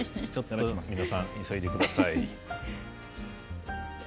皆さん急いでください。